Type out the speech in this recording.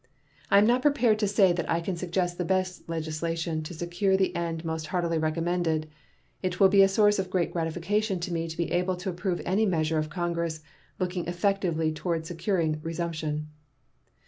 I am not prepared to say that I can suggest the best legislation to secure the end most heartily recommended. It will be a source of great gratification to me to be able to approve any measure of Congress looking effectively toward securing "resumption."